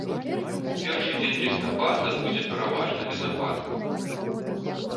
У першы дзень лістапада будзе пераважна без ападкаў.